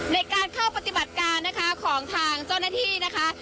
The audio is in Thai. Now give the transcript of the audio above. ในการเข้าปฏิบัติการนะคะของทางเจ้าหน้าที่นะคะ